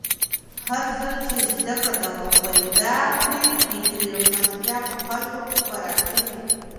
هرځل چې زده کړه دوام پیدا کړي، فکري روښانتیا په خلکو کې پراخېږي.